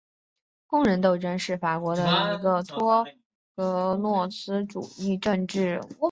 工人斗争是法国的一个托洛茨基主义政党。